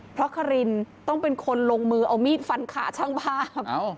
เพราะคารินต้องเป็นคนลงมือเอามีดฟันขาช่างภาพ